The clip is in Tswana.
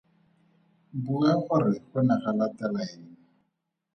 Bua gore go ne ga latela eng.